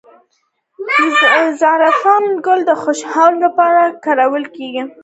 د زعفران ګل د خوشحالۍ لپاره وکاروئ